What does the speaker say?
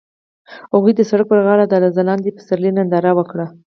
هغوی د سړک پر غاړه د ځلانده پسرلی ننداره وکړه.